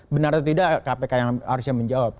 benar atau tidak kpk yang harusnya menjawab